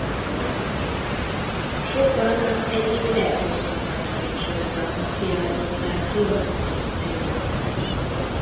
Sokan az egyik legrosszabb rajzfilmsorozatnak kiáltották ki a produkciót.